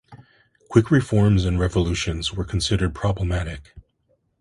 Quick reforms and revolutions were considered problematic.